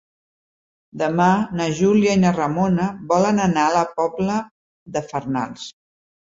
Demà na Júlia i na Ramona volen anar a la Pobla de Farnals.